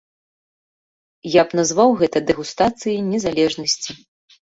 Я б назваў гэта дэгустацыяй незалежнасці.